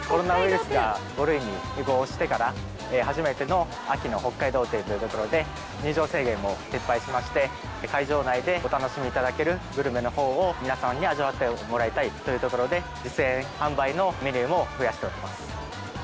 コロナウイルスが５類に移行してから、初めての秋の北海道展というところで、入場制限も撤廃しまして、会場内でお楽しみいただけるグルメのほうを皆様に味わってもらいたいというところで、実演販売のメニューも増やしております。